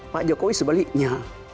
pak jokowi sebaliknya